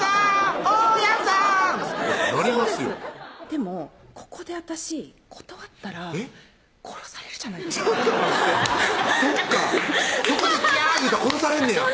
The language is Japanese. でもここで私断ったら殺されるじゃないですかちょっと待ってそっか